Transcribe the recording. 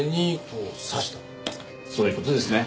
そういう事ですね。